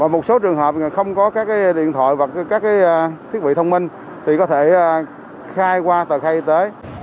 một số trường hợp không có các điện thoại và các thiết bị thông minh thì có thể khai qua tờ khai y tế